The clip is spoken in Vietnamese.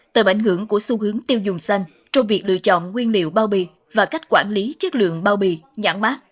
tờ bản hưởng của xu hướng tiêu dùng xanh trong việc lựa chọn nguyên liệu bao bì và cách quản lý chất lượng bao bì nhãn mát